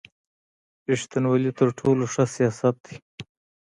رېښتینوالي تر ټولو ښه سیاست دی.